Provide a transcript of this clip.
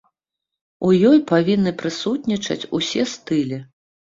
У ёй павінны прысутнічаць усе стылі.